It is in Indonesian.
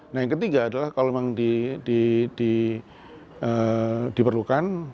nah yang ketiga adalah kalau memang diperlukan